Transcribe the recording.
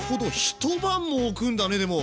一晩もおくんだねでも。